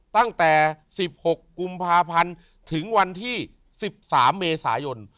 ตั้งแต่๑๖กุมภาพันธ์ถึงวันที่๑๓เมษายน